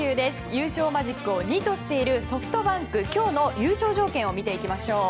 優勝マジックを２としているソフトバンク。今日の優勝条件を見ていきましょう。